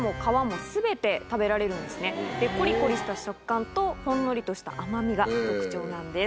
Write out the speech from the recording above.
コリコリした食感とほんのりとした甘みが特徴なんです。